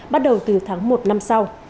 bắt đầu từ tháng một năm sau